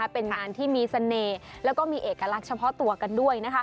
เป็นงานที่มีเสน่ห์แล้วก็มีเอกลักษณ์เฉพาะตัวกันด้วย